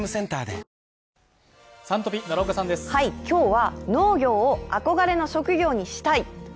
今日は、農業を憧れの職業にしたい。